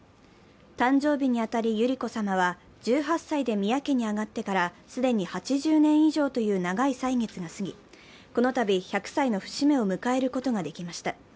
誕生に当たり百合子さまは１８歳で宮家に上がってから既に８０年以上という長い歳月が過ぎ、このたび、１００歳の節目を迎えることができました。